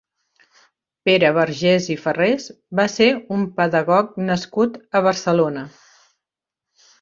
Pere Vergés i Farrés va ser un pedagog nascut a Barcelona.